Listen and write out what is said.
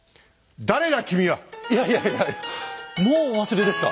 いやいやいやいやもうお忘れですか？